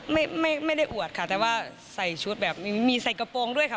ไม่ไม่ได้อวดค่ะแต่ว่าใส่ชุดแบบมีใส่กระโปรงด้วยค่ะ